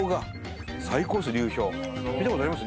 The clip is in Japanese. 見たことあります？